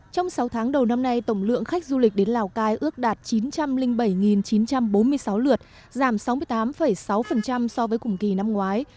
trong sáu tháng đầu năm nay tổng lượng khách du lịch đến lào cai ước đạt chín trăm linh bảy chín trăm bốn mươi sáu lượt giảm sáu mươi tám sáu so với cùng kỳ năm ngoái